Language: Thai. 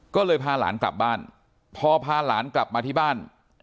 ก็เลยพาหลานกลับบ้านพอพาหลานกลับมาที่บ้าน